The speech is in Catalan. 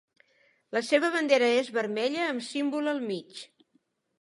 La seva bandera és vermella amb símbol al mig.